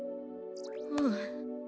うん。